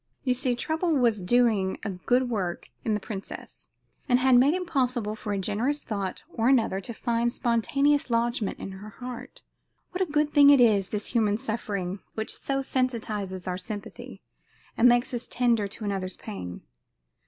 You see, trouble was doing a good work in the princess, and had made it possible for a generous thought for another to find spontaneous lodgment in her heart. What a great thing it is, this human suffering, which so sensitizes our sympathy, and makes us tender to another's pain.